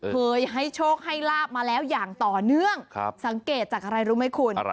เคยให้โชคให้ลาบมาแล้วอย่างต่อเนื่องสังเกตจากอะไรรู้ไหมคุณ